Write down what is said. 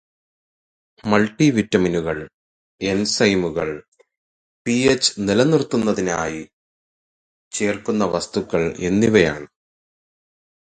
multi വിറ്റാമിനുകൾ, എൻസൈമുകള്, pH നിലനിർത്തുന്നതിനായി ചേര്ക്കുന്ന വസ്തുക്കള് എന്നിവയാണ്